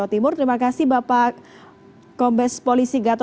terima kasih mbak